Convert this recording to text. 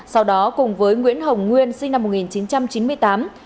sau đó cùng với nguyễn hồng nguyên sinh năm một nghìn chín trăm chín mươi tám